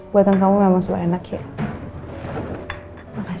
buatan kamu memang suka enak ya